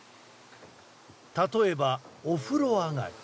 例えば、お風呂上がり。